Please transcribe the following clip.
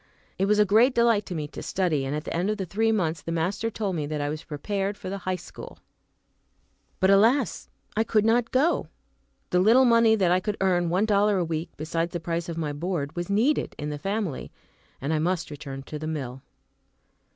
It was a great delight to me to study, and at the end of the three months the master told me that I was prepared for the high school. But alas! I could not go. The little money I could earn one dollar a week, besides the price of my board was needed in the family, and I must return to the mill.